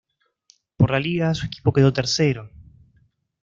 Por la liga su equipo quedó tercero.